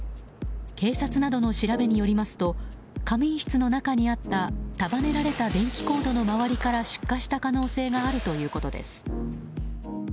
警察などの調べによりますと仮眠室の中にあった束ねられた電気コードの周りから出火した可能性があるということです。